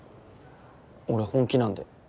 俺本気なんで。